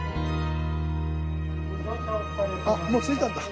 あっもう着いたんだ。